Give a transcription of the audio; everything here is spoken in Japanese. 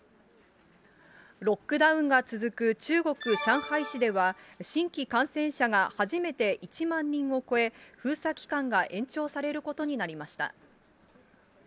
ロックダウンが続く中国・上海市では、新規感染者が初めて１万人を超え、封鎖期間が延長されることになりました。